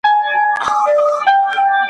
زه پوهېدم څوک به دي نه خبروي ,